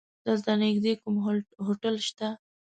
دلته نيږدې کوم هوټل شته؟